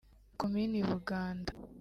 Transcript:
Komini Buganda